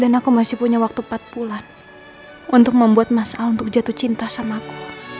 dan aku masih punya waktu empat puluh an untuk membuat masalah untuk jatuh cinta sama aku